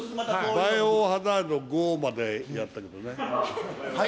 バイオハザード５までやったはい？